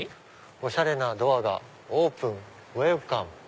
おしゃれなドアがオープンウエルカム。